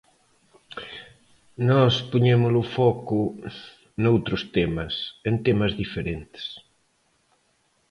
Nós poñemos o foco noutros temas, en temas diferentes.